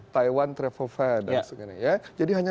taiwan travel fair dan sebagainya